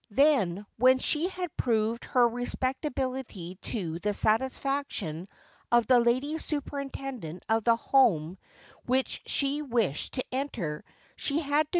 Then, when she had proved her respectability to the satisfaction of the Lady Superintendent of the Home which she wished to enter, she had to.